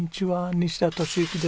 西田敏行です。